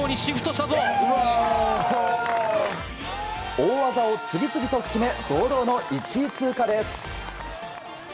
大技を次々と決め堂々の１位通過です。